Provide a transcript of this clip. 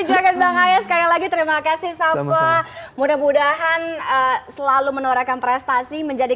jangan banget sekali lagi terima kasih sama mudah mudahan selalu menorehkan prestasi menjadi